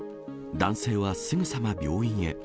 男性はすぐさま病院へ。